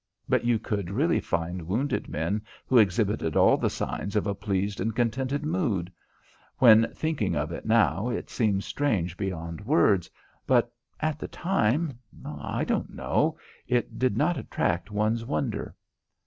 But you could really find wounded men who exhibited all the signs of a pleased and contented mood. When thinking of it now it seems strange beyond words. But at the time I don't know it did not attract one's wonder.